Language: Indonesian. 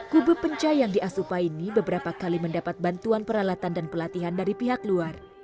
kube penca yang diasupaini beberapa kali mendapat bantuan peralatan dan pelatihan dari pihak luar